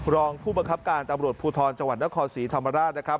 รองผู้บังคับการตำรวจภูทรจังหวัดนครศรีธรรมราชนะครับ